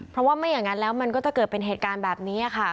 เพราะว่าไม่อย่างนั้นแล้วมันก็จะเกิดเป็นเหตุการณ์แบบนี้ค่ะ